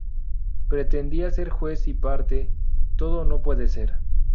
Pretendía ser juez y parte. Todo no puede ser